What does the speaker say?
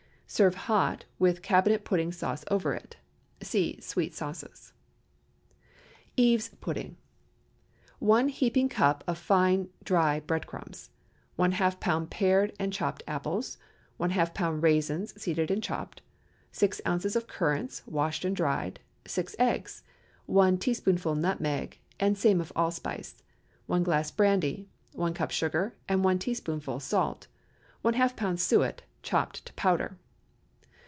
Serve hot, with cabinet pudding sauce over it. (See Sweet Sauces.) EVE'S PUDDING. 1 heaping cup of fine dry bread crumbs. ½ lb. pared and chopped apples. ½ lb. raisins, seeded and chopped. 6 oz. currants, washed and dried. 6 eggs. 1 teaspoonful nutmeg, and same of allspice. 1 glass brandy. 1 cup sugar, and 1 teaspoonful salt. ½ lb. suet, chopped to powder.